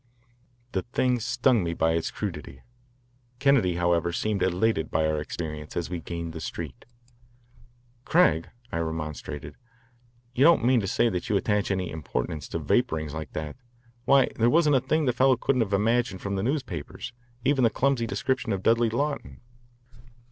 The thing stung me by its crudity. Kennedy, however, seemed elated by our experience as we gained the street. "Craig," I remonstrated, "you don't mean to say you attach any importance to vapourings like that? Why, there wasn't a thing the fellow couldn't have imagined from the newspapers, even the clumsy description of Dudley Lawton."